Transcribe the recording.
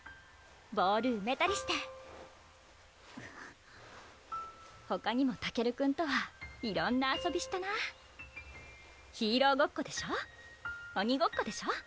ボールうめたりしてほかにもたけるくんとは色んな遊びしたなぁヒーローごっこでしょ鬼ごっこでしょ